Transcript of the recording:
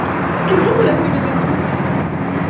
Quel jour de le semaine est-on ?